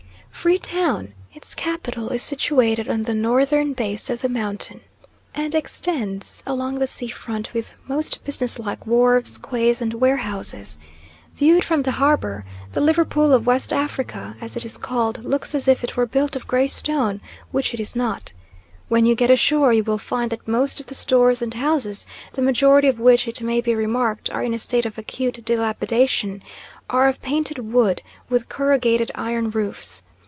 Free Town its capital is situated on the northern base of the mountain, and extends along the sea front with most business like wharves, quays, and warehouses. Viewed from the harbour, "The Liverpool of West Africa," as it is called, looks as if it were built of gray stone, which it is not. When you get ashore, you will find that most of the stores and houses the majority of which, it may be remarked, are in a state of acute dilapidation are of painted wood, with corrugated iron roofs.